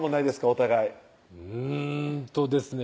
お互いうんとですね